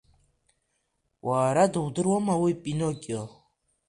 Уара дудыруама уи Пиноккио?